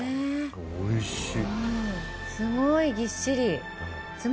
おいしい。